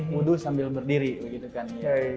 wudhu sambil berdiri begitu kan